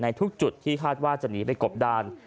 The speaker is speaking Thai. ทุกจุดที่คาดว่าจะหนีไปกบดาน